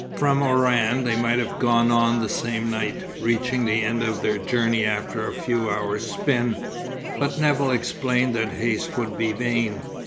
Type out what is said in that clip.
From Oran they might have gone on the same night, reaching the end of their journey after a few hours' spin, but Nevill explained that haste would be vain.